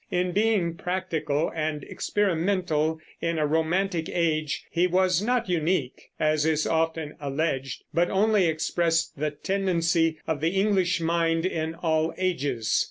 In being practical and experimental in a romantic age he was not unique, as is often alleged, but only expressed the tendency of the English mind in all ages.